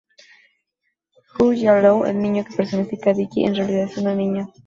Xu Jiao, el niño que personifica a Dicky, es en realidad una niña.